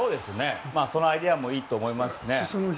そのアイデアもいいと思います。